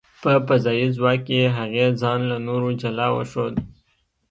په فضايي ځواک کې، هغې ځان له نورو جلا وښود .